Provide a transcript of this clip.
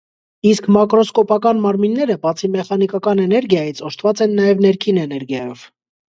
Իսկ մակրոսկոպական մարկմինները բացի մեխանիկական էներգիայից օժտված են նաև ներքին էներգիայով։